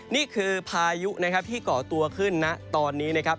นี่คือพายุนะครับที่ก่อตัวขึ้นนะตอนนี้นะครับ